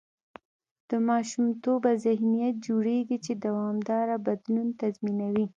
د ماشومتوبه ذهنیت جوړېږي، چې دوامداره بدلون تضمینوي.